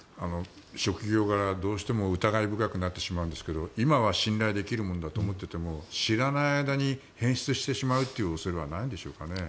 職業柄、どうしても疑い深くなってしまうんですが今は信頼できるものだと思っていても知らない間に変質してしまう恐れはないんでしょうかね。